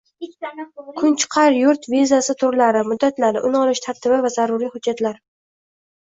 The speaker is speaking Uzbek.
“Kunchiqar yurt” vizasi turlari, muddatlari, uni olish tartibi va zaruriy hujjatlar